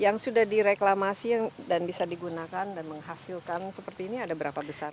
yang sudah direklamasi dan bisa digunakan dan menghasilkan seperti ini ada berapa besar